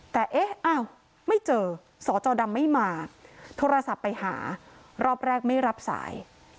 แต่เอ๊ะอ้าวไม่เจอสจดำไม่มาโทรศัพท์ไปหารอบแรกไม่รับสาย